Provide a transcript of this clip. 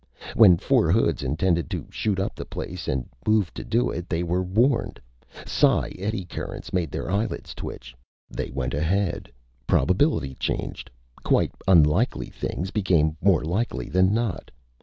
When four hoods intended to shoot up the place and moved to do it, they were warned. Psi 'eddy currents' made their eyelids twitch. They went ahead. Probability changed. Quite unlikely things became more likely than not.